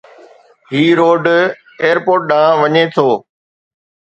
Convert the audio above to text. هي road airport ڏانهن وڃي ٿو